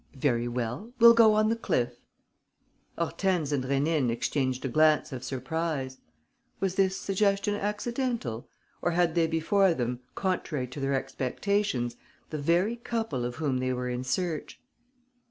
"Very well. We'll go on the cliff." Hortense and Rénine exchanged a glance of surprise. Was this suggestion accidental? Or had they before them, contrary to their expectations, the very couple of whom they were in search?